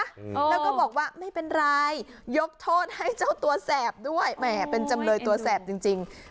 แล้วก็บอกว่าไม่เป็นไรยกโทษให้เจ้าตัวแสบด้วยแหมเป็นจำเลยตัวแสบจริงจริง